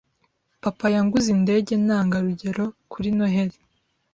Papa yanguze indege ntangarugero kuri Noheri.